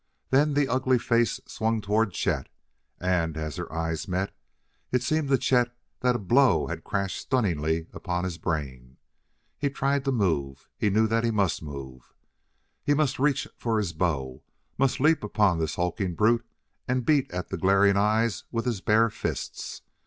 Then the ugly face swung toward Chet, and, as their eyes met, it seemed to Chet that a blow had crashed stunningly upon his brain. He tried to move he knew that he must move. He must reach for his bow, must leap upon this hulking brute and beat at the glaring eyes with his bare fists.